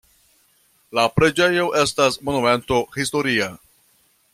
La preĝejo estas monumento historia.